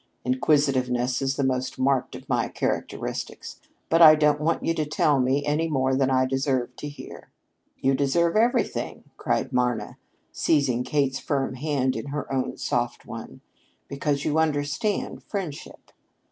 "Inquisitiveness is the most marked of my characteristics. But I don't want you to tell me any more than I deserve to hear." "You deserve everything," cried Marna, seizing Kate's firm hand in her own soft one, "because you understand friendship.